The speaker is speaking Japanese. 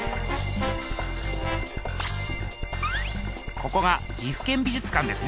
ここが岐阜県美術館ですね。